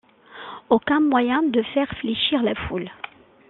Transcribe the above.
Aucun moyen de faire fléchir la foule.